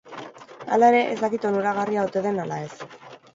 Hala ere, ez dakit onuragarria ote den ala ez.